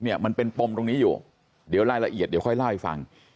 มันเป็นปมตรงนี้อยู่เดี๋ยวรายละเอียดเดี๋ยวค่อยเล่าให้ฟัง